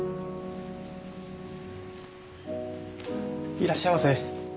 いらっしゃいませ。